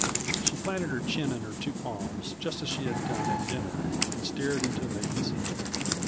She planted her chin in her two palms, just as she had done at dinner, and stared into vacancy.